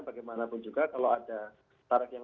bagaimanapun juga kalau ada tarif yang